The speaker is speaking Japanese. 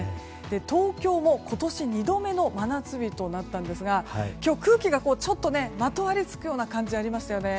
東京も今年２度目の真夏日となったんですが今日、空気がちょっとまとわりつくような感じがありましたよね。